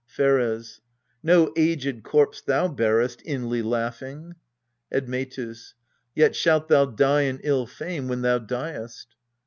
Pheres. No aged corpse thou bearest, inly laughing ! Admctus. Yet shalt thou die in ill fame, when thou diest.